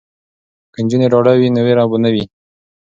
که نجونې ډاډه وي نو ویره به نه وي.